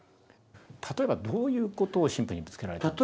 例えばどういうことを神父にぶつけられたんですか？